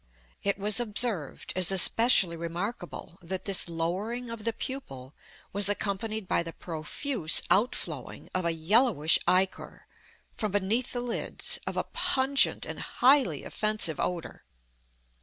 It was observed, as especially remarkable, that this lowering of the pupil was accompanied by the profuse out flowing of a yellowish ichor (from beneath the lids) of a pungent and highly offensive odor.